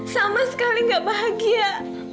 sama sekali gak bahagia